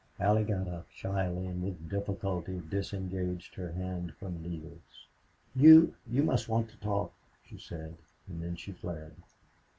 Allie got up, shyly and with difficulty disengaged her hand from Neale's. "You you must want to talk," she said, and then she fled.